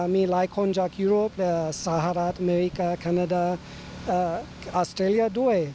มีหลายคนจากฮีโรปสหรัฐอเมริกาแคนาดาออสเตรเลียด้วย